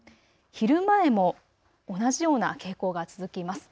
昼前も同じような傾向が続きます。